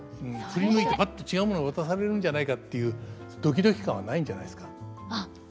振り向いてぱっと違う物渡されるんじゃないかっていうドキドキ感はないんじゃないですか。